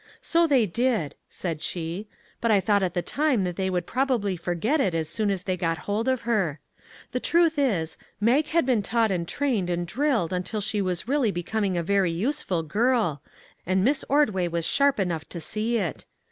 " So they did," said she, " but I thought at the time that they would probably forget it as soon as they got hold of her. The truth is, Mag had been taught and trained and drilled until she was really becom ing a very useful girl, and Miss Ordway was sharp enough to see it.